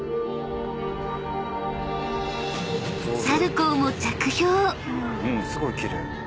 ［サルコウも着氷］